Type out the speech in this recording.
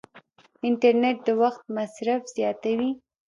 انټرنیټ د وخت مصرف زیاتوي.